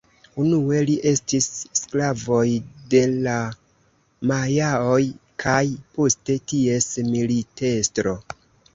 Unue li estis sklavoj de la majaoj kaj poste ties militestro.